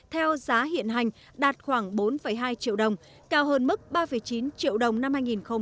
theo giá hiện hành đạt khoảng bốn hai triệu đồng cao hơn mức ba chín triệu đồng năm hai nghìn một mươi tám